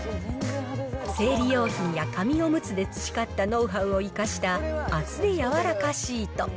生理用品や紙おむつで培ったノウハウを生かした、厚手やわらかシート。